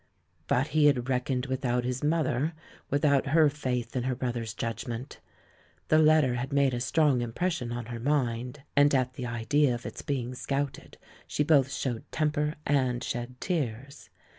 But he had reckoned without his mother, without her faith in her brother's judgment. The letter had made a strong im pression on her mind, and at the idea of its being scouted she both showed temper and shed tears.